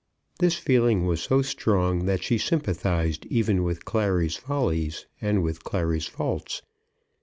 This feeling was so strong that she sympathised even with Clary's follies, and with Clary's faults.